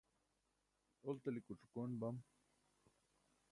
oltalik oc̣ukoon bam